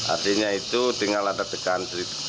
artinya itu tinggal ada tekan